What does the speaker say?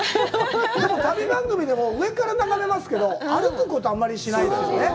でも、旅番組でも上から眺めますけど、歩くことはあんまりしないですよね。